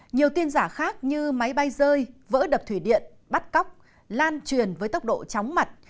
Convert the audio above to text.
nhiều tin giả khác như máy bay rơi vỡ đập thủy điện bắt cóc lan truyền với tốc độ chóng mặt